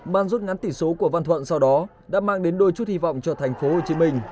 ban rút ngắn tỷ số của văn thuận sau đó đã mang đến đôi chút hy vọng cho tp hcm